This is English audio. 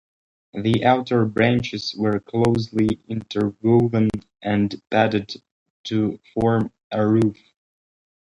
The outer branches were closely interwoven and padded to form a roof.